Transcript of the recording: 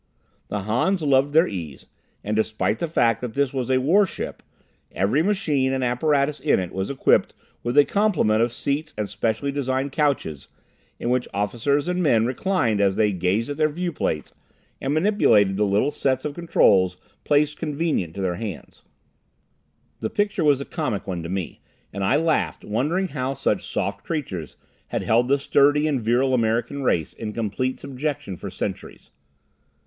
The Hans loved their ease, and despite the fact that this was a war ship, every machine and apparatus in it was equipped with a complement of seats and specially designed couches, in which officers and men reclined as they gazed at their viewplates, and manipulated the little sets of controls placed convenient to their hands. The picture was a comic one to me, and I laughed, wondering how such soft creatures had held the sturdy and virile American race in complete subjection for centuries.